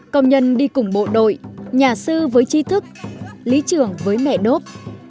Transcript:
công nhân đi cùng bộ đội nhà sư với chi thức lý trưởng với mẹ đốt